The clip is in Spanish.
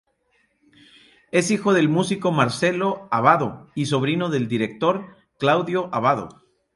Es hijo del músico Marcello Abbado y sobrino del director Claudio Abbado.